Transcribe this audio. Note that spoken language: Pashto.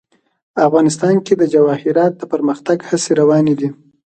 افغانستان کې د جواهرات د پرمختګ هڅې روانې دي.